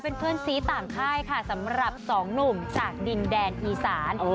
เป็นเพื่อนซีต่างค่ายค่ะสำหรับสองหนุ่มจากดินแดนอีสาน